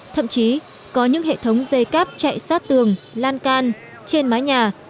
thậm chí có những hệ thống dây cáp chạy sát tường lan can trên mái nhà